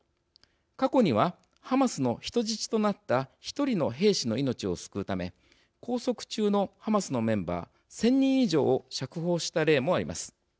過去には、ハマスの人質となった１人の兵士の命を救うため拘束中のハマスのメンバー１０００人以上を釈放した例もあります。